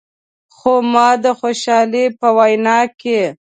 خو ما د خوشحال په وینا کې.